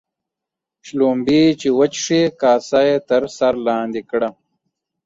شلومبې چې وچښې ، کاسه يې تر سر لاندي کړه.